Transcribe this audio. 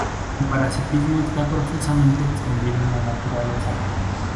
El parasitismo está profusamente extendido en la naturaleza.